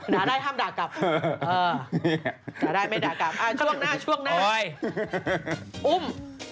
ด่าได้ห้ามด่ากลับ